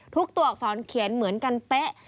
ตัวอักษรเขียนเหมือนกันเป๊ะ